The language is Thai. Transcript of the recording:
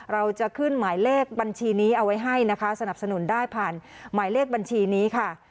เราจะขึ้นหมายเลขบัญชีนี้เอาไว้ให้นะคะสนับสนุนได้ผ่านหมายเลขบัญชีนี้ค่ะ